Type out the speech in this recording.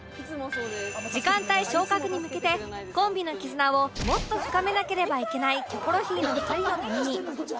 時間帯昇格に向けてコンビの絆をもっと深めなければいけないキョコロヒーの２人のために